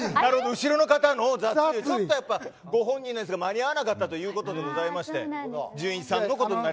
後ろの方の雑いご本人のやつが間に合わなかったということでじゅんいちさんのね。